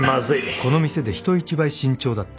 ［この店で人一倍慎重だった］